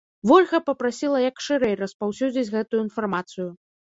Вольга папрасіла як шырэй распаўсюдзіць гэтую інфармацыю.